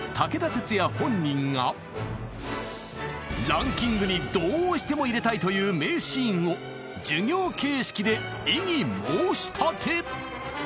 ランキングにどうしても入れたいという名シーンを授業形式で異議申し立て！